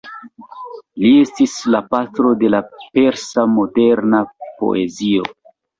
Li estis "la patro de la persa moderna poezio".